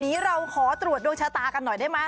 นี้เราขอตรวจดวงชะตากันหน่อยได้ไหม